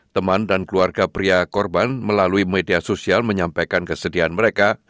teman dan keluarga pria korban melalui media sosial menyampaikan kesedihan mereka